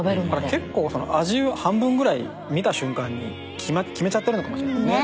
結構味半分ぐらい見た瞬間に決めちゃってるのかもしれないですね。